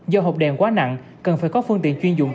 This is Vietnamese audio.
do hộp đèn quá nặng cần phải có phương tiện chuyên dụng